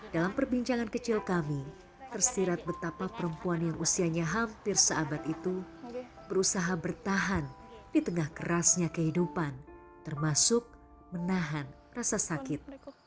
dalam perbincangan kecil kami tersirat betapa perempuan yang usianya hampir seabad itu berusaha bertahan di tengah kerasnya kehidupan termasuk menahan rasa sakit